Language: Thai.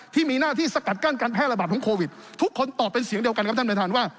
ที่มีหน้าที่สกัดกั้นการแพร่ระบาดของโควิดทุกคนตอบเป็นเสียงเดียวกันครับท่านประธานว่า